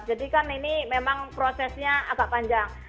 jadi kan ini memang prosesnya agak panjang